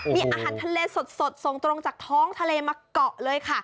มีอาหารทะเลสดส่งตรงจากท้องทะเลมาเกาะเลยค่ะ